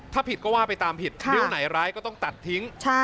ถ้าผิดก็ว่าไปตามผิดริ้วไหนร้ายก็ต้องตัดทิ้ง